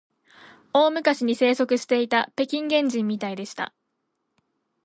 大昔に生息していた北京原人みたいでした